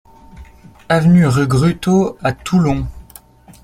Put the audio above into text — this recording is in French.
Avenue Regrutto à Toulon